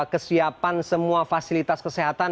kesiapan semua fasilitas kesehatan